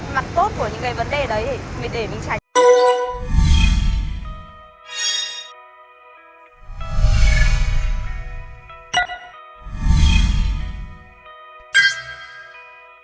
mặt tốt của những cái vấn đề đấy để mình tránh